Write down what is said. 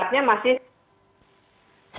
dan sifatnya masih